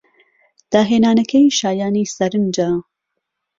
داهێنانەکەی شایانی سەرنجە.